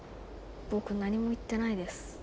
僕何も言ってないです。